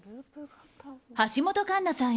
橋本環奈さん